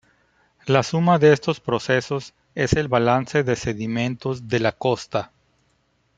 La suma de estos procesos es el balance de sedimentos de la costa.